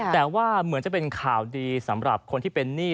แต่ว่าเหมือนจะเป็นข่าวดีสำหรับคนที่เป็นหนี้